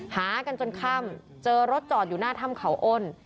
หากันจนค่ำเจอรถจอดอยู่หน้าถ้ำเขาอ้น